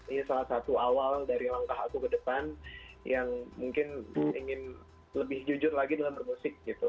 ini salah satu awal dari langkah aku ke depan yang mungkin ingin lebih jujur lagi dalam bermusik gitu